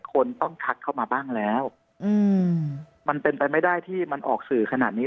คนต้องทักเข้ามาบ้างแล้วอืมมันเป็นไปไม่ได้ที่มันออกสื่อขนาดนี้